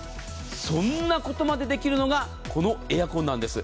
そんなことまでできるのがこのエアコンなんです。